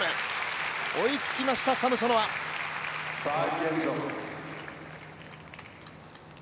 追いつきました、サムソノワ。